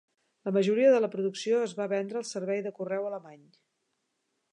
La majoria de la producció es va vendre al servei de correu alemany.